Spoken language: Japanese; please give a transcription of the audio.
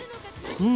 うん！